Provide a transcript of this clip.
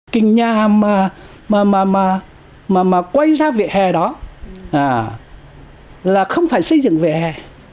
cái nhà mà quay ra vỉa hè đó là không phải xây dựng vỉa hè